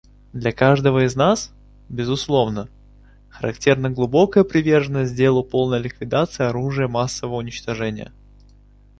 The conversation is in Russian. Для каждого из нас, безусловно, характерна глубокая приверженность делу полной ликвидации оружия массового уничтожения.